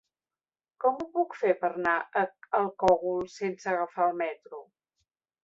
Com ho puc fer per anar al Cogul sense agafar el metro?